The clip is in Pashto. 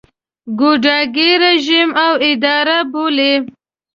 ګوډاګی رژیم او اداره بولي.